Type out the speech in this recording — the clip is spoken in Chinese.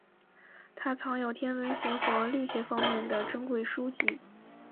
他藏有天文学和力学方面的珍贵书籍。